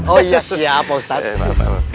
oh iya siap pak ustadz